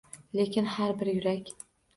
Lekin har bir yurak